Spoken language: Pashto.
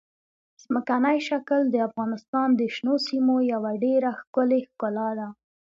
ځمکنی شکل د افغانستان د شنو سیمو یوه ډېره ښکلې ښکلا ده.